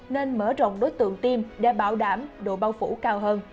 nên mở rộng đối tượng tiêm để bảo đảm độ bao phủ cao hơn